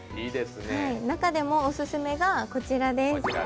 中でもおすすめが、こちらです。